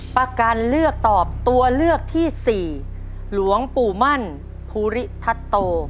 ประกันเลือกตอบตัวเลือกที่สี่หลวงปู่มั่นภูริทัศโต